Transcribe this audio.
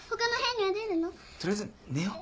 取りあえず寝よう。